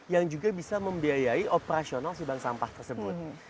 yang juga bisa membiayai operasional si bank sampah tersebut